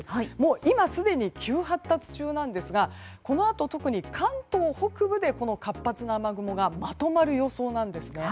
今すでに急発達中なんですがこのあと、特に関東北部でこの活発な雨雲がまとまる予想なんですね。